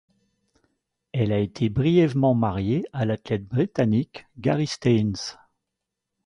Elle a été brièvement mariée à l'athlète britannique Gary Staines.